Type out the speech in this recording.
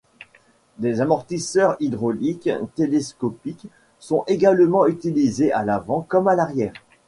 Des amortisseurs hydrauliques télescopiques sont également utilisés à l'avant comme à l'arrière.